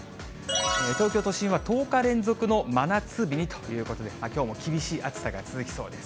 東京都心は１０日連続の真夏日にということで、きょうも厳しい暑さが続きそうです。